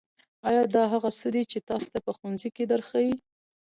ایا دا هغه څه دي چې تاسو ته په ښوونځي کې درښیي